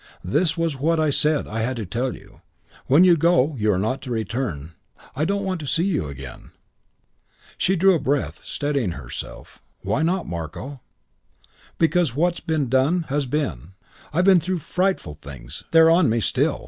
"This was what I said I had to tell you. When you go, you are not to return. I don't want to see you again." She drew a breath, steadying herself, "Why not, Marko?" "Because what's been has been. Done. I've been through frightful things. They're on me still.